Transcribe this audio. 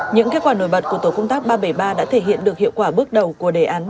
những kết quả nổi bật của tổ công tác ba trăm bảy mươi ba đã thể hiện được hiệu quả bước đầu của đề án sáu